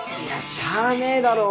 しゃあねえだろ。